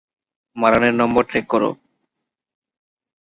মারানের number track করো।